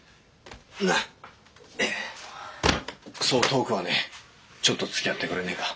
なあそう遠くはねえちょっとつきあってくれねえか？